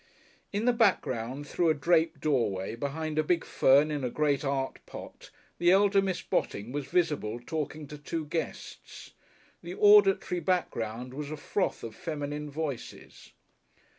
In the background through a draped doorway behind a big fern in a great art pot the elder Miss Botting was visible talking to two guests; the auditory background was a froth of feminine voices....